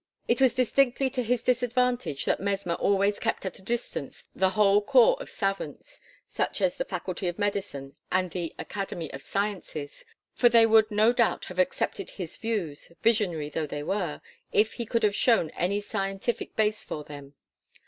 It was distinctly to his disadvantage that Mesmer always kept at a distance the whole corps of savants such as the Faculty of Medicine and the Academy of Sciences for they would no doubt have accepted his views, visionary though they were, if he could have shown any scientific base for them.